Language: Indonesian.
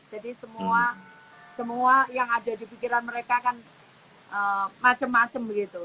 jadi semua yang ada di pikiran mereka kan macam macam gitu